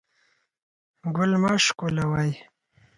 ګل مه شکولوئ